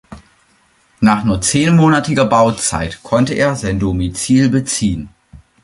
Nach nur zehnmonatiger Bauzeit konnte er sein Domizil beziehen.